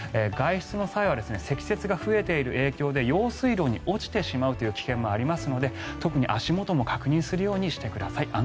外出の際は積雪が増えている影響で用水路に落ちてしまうという危険もありますので特に足元も確認するようにしてください。